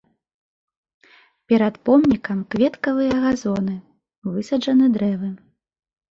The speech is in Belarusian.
Перад помнікам кветкавыя газоны, высаджаны дрэвы.